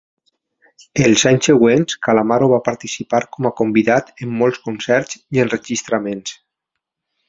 Els anys següents, Calamaro va participar com a convidat en molts concerts i enregistraments.